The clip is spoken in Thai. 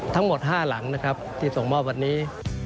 ทั้งหมด๕หลังนะครับที่ส่งมอบวันนี้